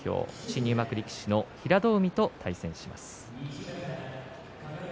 新入幕力士の平戸海と対戦します。